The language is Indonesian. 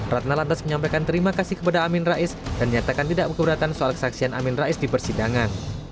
ratna lantas menyampaikan terima kasih kepada amin rais dan nyatakan tidak keberatan soal kesaksian amin rais di persidangan